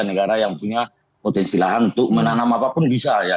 negara yang punya potensi lahan untuk menanam apapun bisa ya